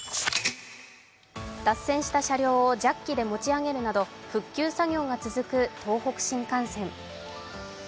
脱線した車両をジャッキで持ち上げるなど復旧作業が続く東北新幹線。